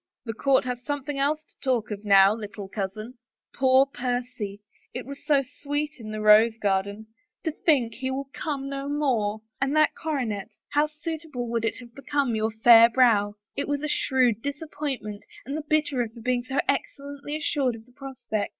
" The court has something else to talk of now, little cousin. Poor Percy — it was so sweet in the rose gar den ! To think he will come no more. And that coronet . 23 THE FAVOR OF KINGS — how suitable would it have become your fair brow. It was a shrewd disappointment, and the bitterer for being so excellently assured of the prospect.